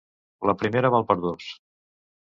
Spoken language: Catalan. La primera val per dos.